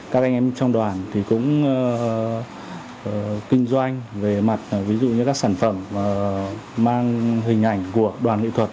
các anh em trong đoàn cũng kinh doanh về mặt ví dụ như các sản phẩm mang hình ảnh của đoàn nghệ thuật